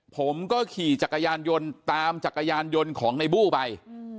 ผมก็ขี่จักรยานยนต์ตามจักรยานยนต์ของในบู้ไป